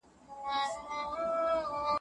پښتو ژبه زموږ ترمنځ واټن له منځه وړي.